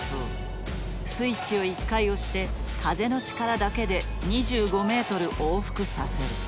スイッチを１回押して風の力だけで２５メートル往復させる。